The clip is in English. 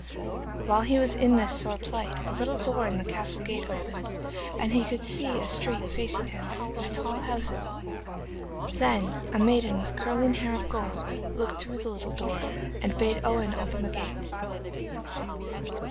While he was in this sore plight a little door in the castle gate opened, and he could see a street facing him, with tall houses. Then a maiden with curling hair of gold looked through the little door and bade Owen open the gate.